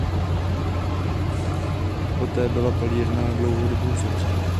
Poté byla palírna na dlouhou dobu uzavřena.